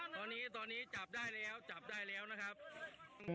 ตอนนี้ตอนนี้จับได้แล้วจับได้แล้วนะครับอืม